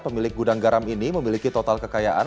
pemilik gudang garam ini memiliki total kekayaan